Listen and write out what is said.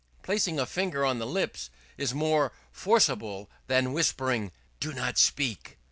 Placing a finger on the lips is more forcible than whispering, "Do not speak."